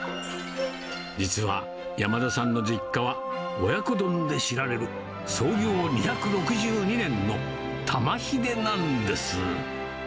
実は山田さんの実家は、親子丼で知られる創業２６２年の玉ひでなんです。